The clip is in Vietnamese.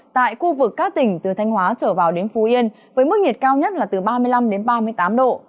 tại khu vực các tỉnh từ thanh hóa trở vào đến phú yên với mức nhiệt cao nhất là từ ba mươi năm đến ba mươi tám độ